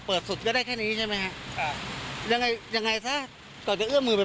สุดก็ได้แค่นี้ใช่ไหมฮะค่ะยังไงยังไงซะก่อนจะเอื้อมมือไป